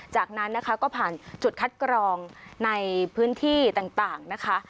จากนั้นนะคะก็ผ่านจุดคัดกรองในพื้นที่ต่างนะคะ